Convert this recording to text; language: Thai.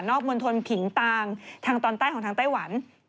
มณฑลขิงตางทางตอนใต้ของทางไต้หวัน